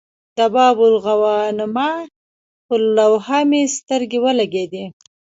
د باب الغوانمه پر لوحه مې سترګې ولګېدې.